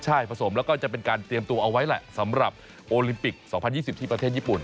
ใช่ผสมแล้วก็จะเป็นการเตรียมตัวเอาไว้แหละสำหรับโอลิมปิก๒๐๒๐ที่ประเทศญี่ปุ่น